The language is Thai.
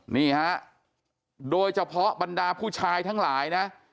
นี่ฮะโดยเฉพาะบรรดาผู้ชายทั้งหลายนะ